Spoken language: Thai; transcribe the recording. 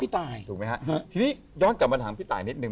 ทีนี้ย้อนกลับมาถามพี่ตายนิดนึง